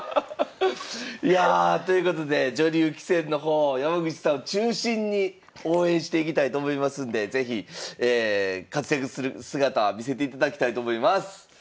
いやということで女流棋戦の方山口さん中心に応援していきたいと思いますんで是非活躍する姿見せていただきたいと思います。